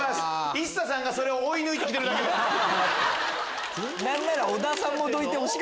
ＩＳＳＡさんがそれを追い抜いて来てるだけで。何なら。